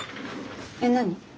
えっ何？